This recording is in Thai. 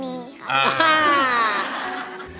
มีครับ